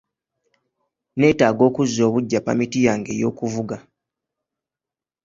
Netaaga okuzza obuggya pamiti yange ey'okuvuga.